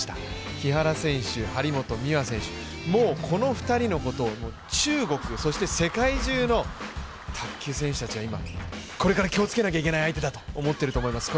木原選手、張本美和選手、もうこの２人のことを中国、そして世界中の卓球選手たちが今、これから気をつけないといけない相手だと思っていますよね。